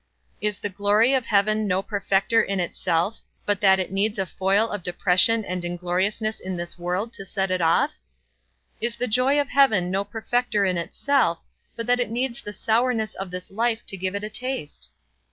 Is the glory of heaven no perfecter in itself, but that it needs a foil of depression and ingloriousness in this world, to set it off? Is the joy of heaven no perfecter in itself, but that it needs the sourness of this life to give it a taste?